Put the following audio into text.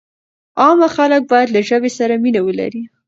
عامه خلک باید له ژبې سره مینه ولري.